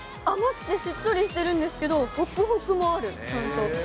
甘くてしっとりしてるんですけど、ほくほくもある、ちゃんと。